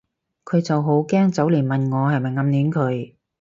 佢就好驚走嚟問我係咪暗戀佢